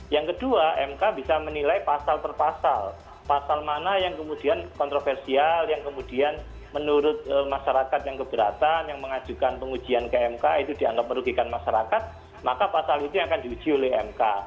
yang kedua mk bisa menilai pasal per pasal pasal mana yang kemudian kontroversial yang kemudian menurut masyarakat yang keberatan yang mengajukan pengujian ke mk itu dianggap merugikan masyarakat maka pasal itu yang akan diuji oleh mk